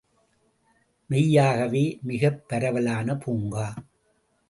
மெய்யாகவே மிகப் பரவலான பூங்கா.